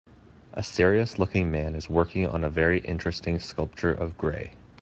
A serious looking man is working on a very interesting sculpture of gray.